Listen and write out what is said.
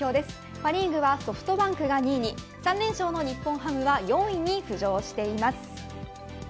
パ・リーグはソフトバンクが２位に３連勝の日本ハムは４位に浮上しています。